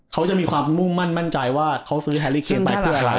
เขาจะมีความมุ่งมั่นมั่นใจว่าเขาซื้อแฮรี่เขียนไปเพื่ออะไร